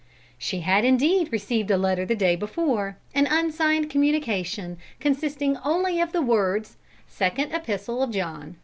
She had indeed received a letter the day before, an unsigned communication, consisting only of the words, "Second Epistle of John.